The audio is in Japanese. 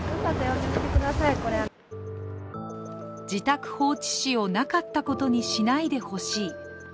自宅放置死をなかったことにしないでほしい。